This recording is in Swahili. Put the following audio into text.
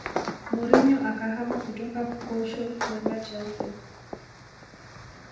Mourinho akahama kutoka porto kwenda Chelsea